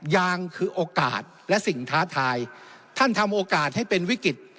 ยางคือโอกาสและสิ่งท้าทายท่านทำโอกาสให้เป็นวิกฤต